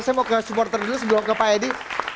saya mau ke supporter dulu sebelum ke pak edi